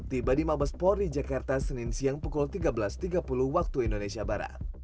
tiba di mabes polri jakarta senin siang pukul tiga belas tiga puluh waktu indonesia barat